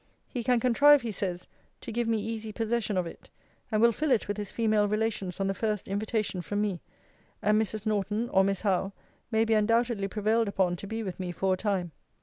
He can contrive, he says, to give me easy possession of it, and will fill it with his female relations on the first invitation from me; and Mrs. Norton, or Miss Howe, may be undoubtedly prevailed upon to be with me for a time.